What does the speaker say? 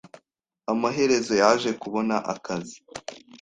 Amaherezo yaje kubona akazi.